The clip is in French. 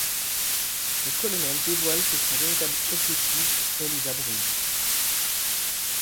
Le colonel dévoile que son véritable objectif est les Abruzzes.